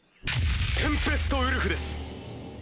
「テンペストウルフ」です。